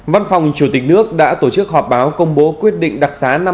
văn phòng chủ tịch nước đã tổ chức họp báo công bố quyết định đặc xá năm hai nghìn hai mươi